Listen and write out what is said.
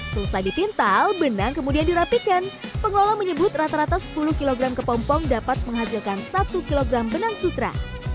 selesai dipintal benang kemudian dirapikan pengelola menyebut rata rata sepuluh kg kepompong dapat menghasilkan satu kg benang sutra